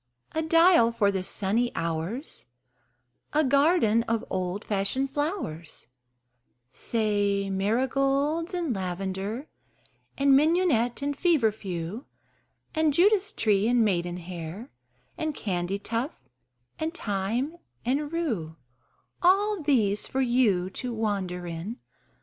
A dial for the sunny hours, A garden of old fashioned flowers Say marigolds and lavender And mignonette and fever few, And Judas tree and maidenhair And candytuft and thyme and rue All these for you to wander in.